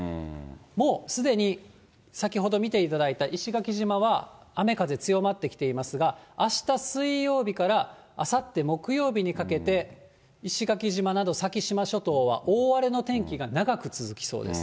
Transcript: もうすでに、先ほど見ていただいた石垣島は雨風強まってきていますが、あした水曜日からあさって木曜日にかけて、石垣島など先島諸島は、大荒れの天気が長く続きそうです。